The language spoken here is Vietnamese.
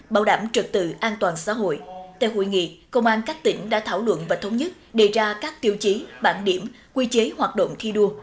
bảo đảm trật tự an toàn xã hội tại hội nghị công an các tỉnh đã thảo luận và thống nhất đề ra các tiêu chí bản điểm quy chế hoạt động thi đua